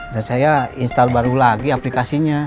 dan saya install baru lagi aplikasinya